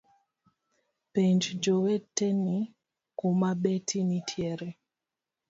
Penj joweteni kuma beti nitiere.